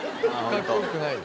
かっこよくないよ。